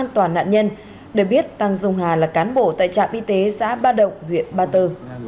tăng dung hà là cán bộ tại trạm y tế xã ba động huyện ba tơ